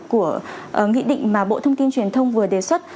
của nghị định mà bộ thông tin truyền thông vừa đề xuất